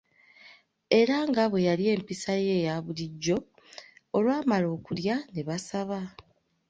Era nga bwe yali empisa ye eya bulijjo, olwamala okulya ne basaba.